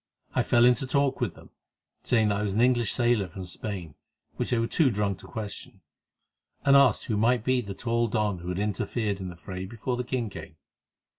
I fell into talk with them, saying that I was an English sailor from Spain, which they were too drunk to question, and asked who might be the tall don who had interfered in the fray before the king came.